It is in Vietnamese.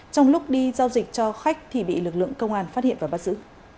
trong lúc đi giao dịch cho khách thì bị lực lượng công an phát hiện và bắt giữ